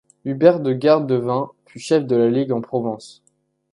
Hubert de Garde de Vins fut chef de la ligue en Provence.